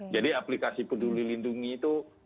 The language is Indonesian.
jadi aplikasi peduli lindungi itu